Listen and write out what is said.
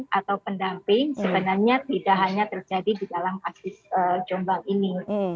atau pendamping sebenarnya tidak hanya terjadi di dalam kasus jombang ini